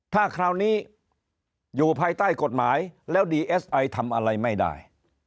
ถ้าคราวนี้อยู่ภายใต้กฎหมายแล้วดีเอสไอทำอะไรไม่ได้